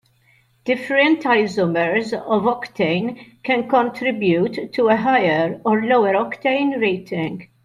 Different isomers of octane can contribute to a higher or lower octane rating.